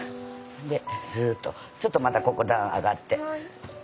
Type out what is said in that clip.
ずっとちょっとまたここ段上がって。